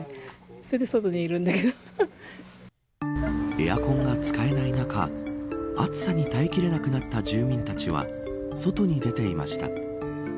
エアコンが使えない中暑さに耐え切れなくなった住民たちは外に出ていました。